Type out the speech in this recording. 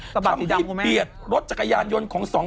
ทำความที่เปลี่ยนรถจักรยานยนตร์ของสองพ่อ